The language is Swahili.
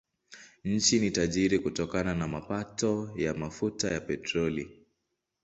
Nchi ni tajiri kutokana na mapato ya mafuta ya petroli.